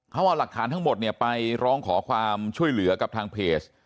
เขาเอาหลักฐานทั้งหมดเนี่ยไปร้องขอความช่วยเหลือกับทางเพจ